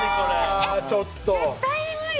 絶対無理！